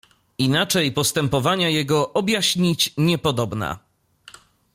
"Inaczej postępowania jego objaśnić niepodobna."